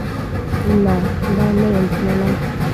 نه، لا نه یم تللی